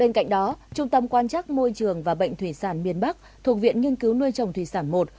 bên cạnh đó trung tâm quan chắc môi trường và bệnh thủy sản miền bắc thuộc viện nghiên cứu nuôi trồng thủy sản i